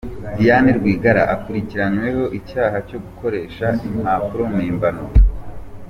Diane Rwigara akurikiranyweho icyaha cyo gukoresha impapuro mpimbano.